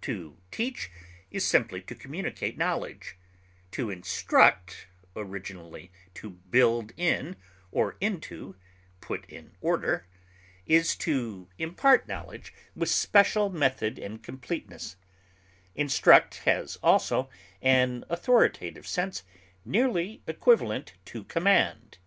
To teach is simply to communicate knowledge; to instruct (originally, to build in or into, put in order) is to impart knowledge with special method and completeness; instruct has also an authoritative sense nearly equivalent to command.